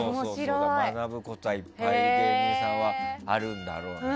学ぶことはいっぱい芸人さんはあるんだろうな。